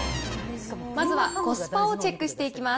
まずはコスパをチェックしていきます。